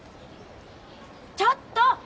ちょっと！